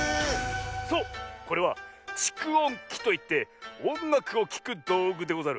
そうこれは「ちくおんき」といっておんがくをきくどうぐでござる。